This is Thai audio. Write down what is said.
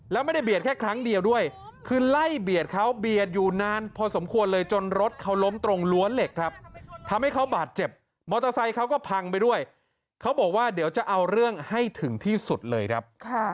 แล้วไม่ได้เบียดแค่ครั้งเดียวด้วยคือไล่เบียดเขาเบียดอยู่นานพอสมควรเลยจนรถเขาล้มตรงล้วนเหล็กครับทำให้เขาบาดเจ็บมอเตอร์ไซค์เขาก็พังไปด้วยเขาบอกว่าเดี๋ยวจะเอาเรื่องให้ถึงที่สุดเลยครับ